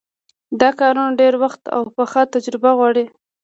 دا کارونه ډېر وخت او پخه تجربه غواړي.